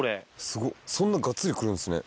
すごっそんながっつり来るんですね。